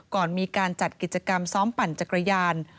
ก่อนมีการจัดกิจกรรมซ้อมปั่นจักรยาน